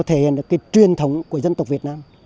thể hiện truyền thống của dân tộc việt nam